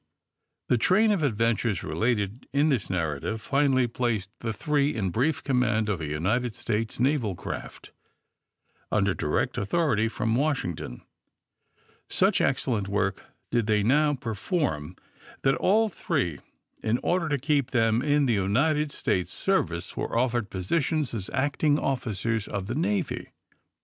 The train of adventures related in this narrative finally placed the three in brief command of a United States naval craft, under direct authority from Washington. Such excellent work did they now perform that all three, in order to keep them in the United States^ service, were offered posi tions as acting officers of the Navy.